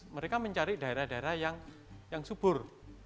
mereka mencari daerah daerah yang subur